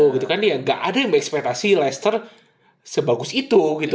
gitu kan ya gak ada yang berekspetasi leicester sebagus itu gitu